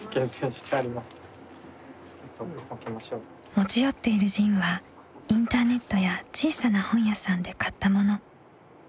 持ち寄っている「ＺＩＮＥ」はインターネットや小さな本屋さんで買ったもの。